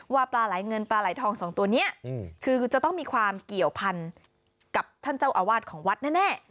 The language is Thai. ปลาไหลเงินปลาไหลทองสองตัวนี้คือจะต้องมีความเกี่ยวพันกับท่านเจ้าอาวาสของวัดแน่